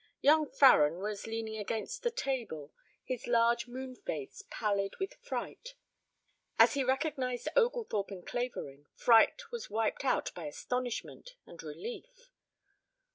Young Farren was leaning against the table, his large moon face pallid with fright. As he recognized Oglethorpe and Clavering fright was wiped out by astonishment and relief.